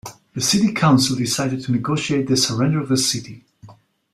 The city council decided to negotiate the surrender of the city.